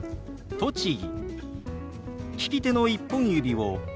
「栃木」。